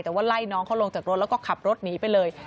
แต่ว่าไล่น้องเขาลงจากรถแล้วก็ขับรถหนีไปเลย